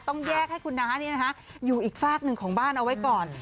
ต้องแยกให้คุณน้าอยู่อีกฝากหนึ่งของบ้านเอาไว้ก่อน